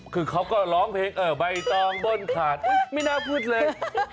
คือเขาก็ร้องเพลงเออใบตองบนขาดไม่น่าพูดเลย